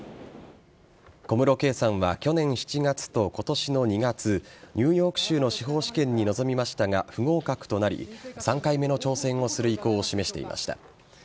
小室圭さんは去年７月と今年の２月ニューヨーク州の司法試験に臨みましたが不合格となり３回目の挑戦をする意向を示していました。